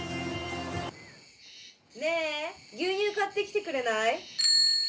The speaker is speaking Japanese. ねえ、牛乳買ってきてくれない。